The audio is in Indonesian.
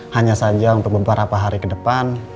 hanya saja untuk beberapa hari ke depan